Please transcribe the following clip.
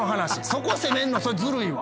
そこ責めんのずるいわ。